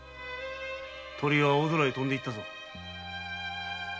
鳥は大空に飛んで行ったぞ。